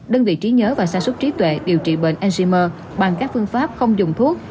đơn vị trí nhớ và sa sút trí tuệ điều trị bệnh alzheimer bằng các phương pháp không dùng thuốc